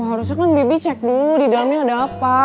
harusnya kan bibik cek dulu didalamnya ada apa